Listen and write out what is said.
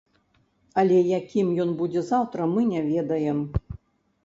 Але якім ён будзе заўтра мы не ведаем.